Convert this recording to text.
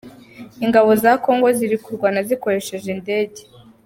Ingabo za Congo ziri kurwana zikoresheje indege.